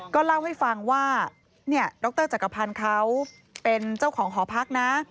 ก็เล่าให้ฟังว่าดรจักรพันธ์เขาเป็นเจ้าของหอพักนะ